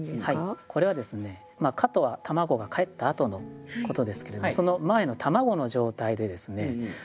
これはですね蝌蚪は卵がかえったあとのことですけれどもその前の卵の状態でですね